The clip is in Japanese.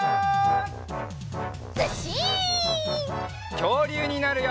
きょうりゅうになるよ！